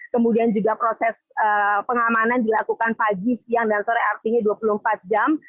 kemudian juga proses pengamanan dilakukan pagi siang dan sore artinya dua puluh empat jam